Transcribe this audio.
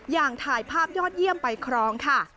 อย่างถ่ายภาพยอดเยี่ยมไปครองค่ะ